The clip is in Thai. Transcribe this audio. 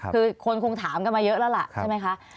คือคนคงถามกันมาเยอะแล้วล่ะใช่ไหมคะ